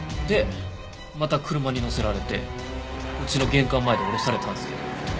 でまた車に乗せられてうちの玄関前で降ろされたんですけど。